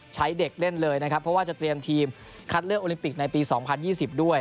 ใช้เด็กเล่นเลยนะครับเพราะว่าจะเตรียมทีมคัดเลือกโอลิมปิกในปี๒๐๒๐ด้วย